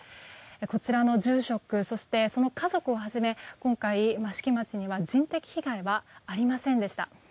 こちらの住職そして、その家族をはじめ今回、益城町には人的被害はありませんでした。